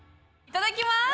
いただきます。